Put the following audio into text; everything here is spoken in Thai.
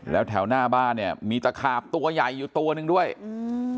แล้วแถวหน้าบ้านเนี้ยมีตะขาบตัวใหญ่อยู่ตัวหนึ่งด้วยอืม